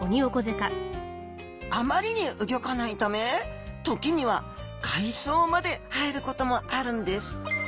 あまりに動かないため時には海藻まで生えることもあるんです。